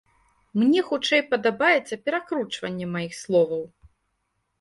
Мне хутчэй падабаецца перакручванне маіх словаў.